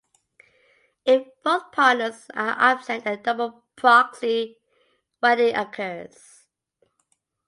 If both partners are absent a double proxy wedding occurs.